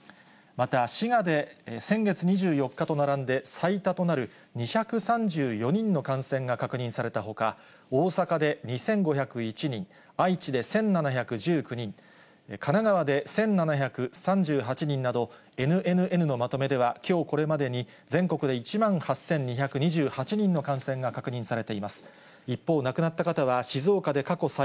また、滋賀で先月２４日と並んで最多となる、２３４人の感染が確認されたほか、大阪で２５０１人、愛知で１７１９人、神奈川で１７３８人など、ＮＮＮのまとめでは、きょうこれまでに全国で１万８２２８人の感染が確認されています。